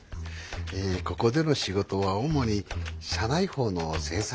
ここでの仕事は主に社内報の制作です。